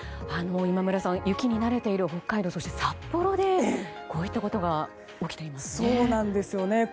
今村さん、雪に慣れている北海道そして札幌でこういったことが起きているんですね。